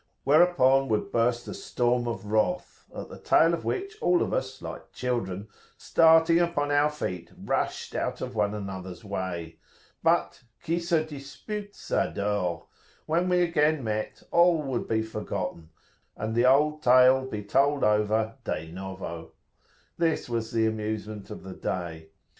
whereupon would burst a storm of wrath, at the tail of which all of us, like children, starting upon our feet, rushed out of one another's way. But "qui se dispute, s'adore" when we again met all would be forgotten, and the old tale be told over de novo. This was the amusement of the day.